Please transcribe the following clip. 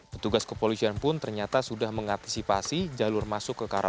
petugas kepolisian pun ternyata sudah mengantisipasi jalur masuk ke karantina